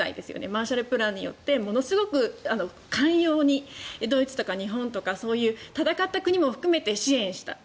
マーシャルプランによってものすごく寛容にドイツとか日本とかをそういうのも含めて支援した。